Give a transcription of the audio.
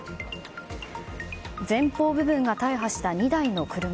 前方部分が大破した２台の車。